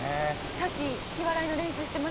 さっき引き笑いの練習してました。